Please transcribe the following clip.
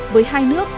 với hai nước